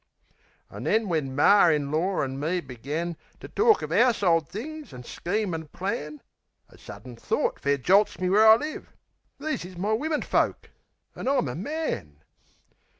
An' then when Mar in lor an' me began To tork of 'ouse'old things an' scheme an' plan, A sudden thort fair jolts me where I live: "These is my wimmin folk! An' I'm a man!"